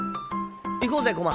行こうぜ駒。